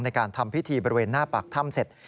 ในการทำพิธีบริเวณหน้าปากถ้ำเสร็จ